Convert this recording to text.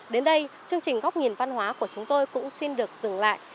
đến đây chương trình góc nhìn văn hóa của chúng tôi cũng xin được dừng lại